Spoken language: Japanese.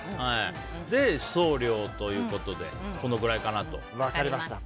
で、送料ということでこのぐらいかなと。